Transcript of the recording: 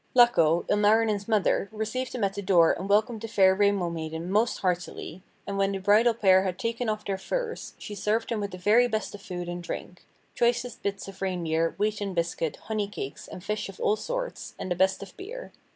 Lakko, Ilmarinen's mother, received them at the door and welcomed the fair Rainbow maiden most heartily, and when the bridal pair had taken off their furs, she served them with the very best of food and drink choicest bits of reindeer, wheaten biscuit, honey cakes, and fish of all sorts, and the best of beer.